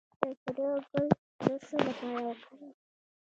د تره ګل د څه لپاره وکاروم؟